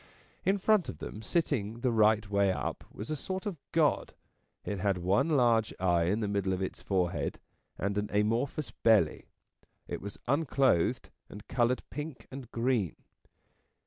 In front of them, sitting the right way up, was a sort of god. It had one large eye in the middle of its forehead, and an amorphous belly. It was unclothed, and coloured pink and green.